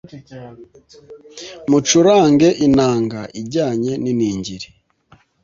mucurange inanga, ijyane n'iningiri